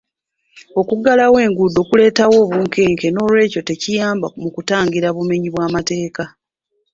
Okuggala enguudo kuleetawo obunkenke n'olwekyo tekiyamba mu kutangira bumenyi bw'amateeka.